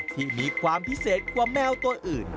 ที่มีความพิเศษกว่าแมวตัวอื่น